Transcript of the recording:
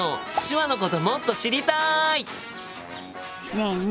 ねえね